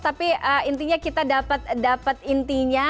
tapi intinya kita dapat intinya